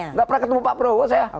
nggak pernah ketemu pak prabowo saya